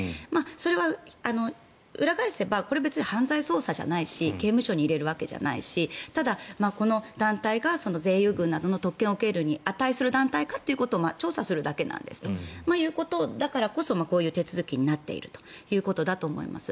それは裏返せばこれは別に犯罪捜査じゃないし刑務所に入れるわけじゃないしただ、この団体が税優遇などの特権を受けるに値する団体か調査するだけなんですということだからこそこういう手続きになっているということだと思います。